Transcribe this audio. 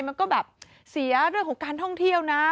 มันก็แบบเสียเรื่องของการท่องเที่ยวนะ